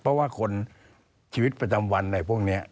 เพราะว่าคนชีวิตประจำวันอะไรพวกนี้